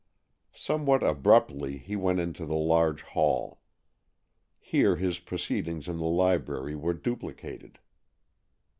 Somewhat abruptly he went into the large hall. Here his proceedings in the library were duplicated.